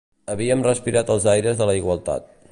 Havíem respirat els aires de la igualtat